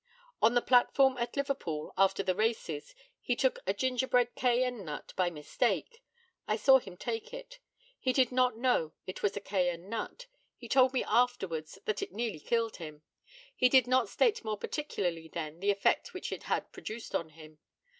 On the platform at Liverpool, after the races, he took a gingerbread cayenne nut by mistake. I saw him take it. He did not know it was a cayenne nut. He told me afterwards that it had nearly killed him. He did not state more particularly then the effect which it had produced on him.